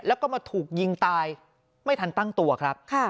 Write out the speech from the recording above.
แล้วก็มาถูกยิงตายไม่ทันตั้งตัวครับ